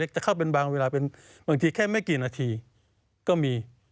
จะเข้าเป็นบางเวลาเปลี่ยนบางทีไม่เกี่ยวกันเอาทีก็มี